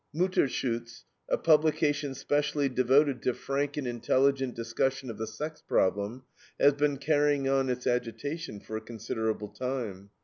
MUTTERSCHUTZ, a publication specially devoted to frank and intelligent discussion of the sex problem, has been carrying on its agitation for a considerable time.